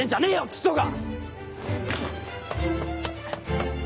クソが！